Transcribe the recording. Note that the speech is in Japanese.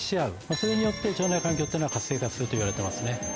それによって腸内環境というのは活性化するといわれてますね。